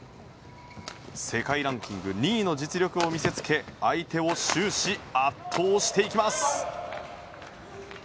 世界ランキング２位の実力を見せつけ相手を終始、圧倒していきます。